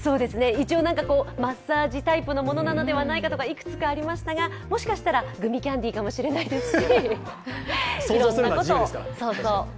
一応、マッサージタイプのものなのではないかとか、いくつかありましたが、もしかしたらグミキャンディーかもしれませんし。